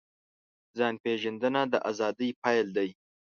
ځان پېژندنه د ازادۍ پیل دی.